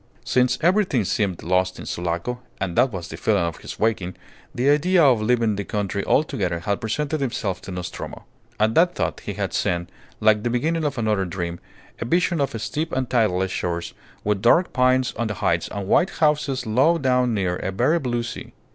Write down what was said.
Since everything seemed lost in Sulaco (and that was the feeling of his waking), the idea of leaving the country altogether had presented itself to Nostromo. At that thought he had seen, like the beginning of another dream, a vision of steep and tideless shores, with dark pines on the heights and white houses low down near a very blue sea.